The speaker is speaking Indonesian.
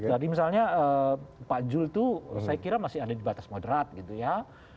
tadi misalnya pak jul itu saya kira masih ada di batas moderat gitu ya